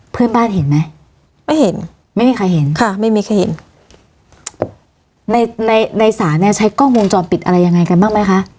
เพื่อนบ้านเห็นไหมไม่เห็นไม่มีใครเห็นค่ะไม่มีใครเห็นในในศาลเนี้ยใช้กล้องวงจรปิดอะไรยังไงกันบ้างไหมคะ